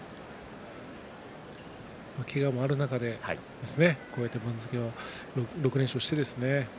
けがもある中でこうやって番付を６連勝してですね。